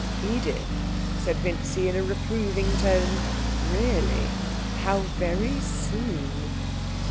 'Edith!' said Vincy, in a reproving tone. 'Really! How very soon!'